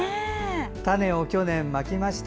種を去年まきました。